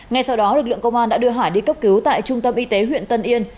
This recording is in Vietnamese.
ngay sau đó lực lượng công an đã đưa hải đi cấp cứu tại trung tâm y tế huyện tân yên